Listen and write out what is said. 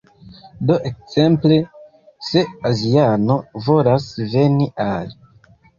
Do ekzemple, se aziano volas veni al